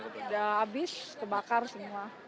udah habis kebakar semua